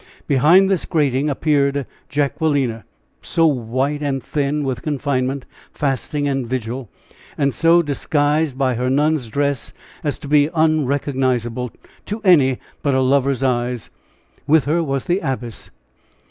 Behind this grating appeared Jacquelina so white and thin with confinement, fasting and vigil, and so disguised by her nun's dress as to be unrecognizable to any but a lover's eyes: with her was the Abbess.